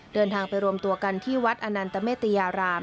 เดินทางไปรวมตัวกันที่วัดอนันตเมตยาราม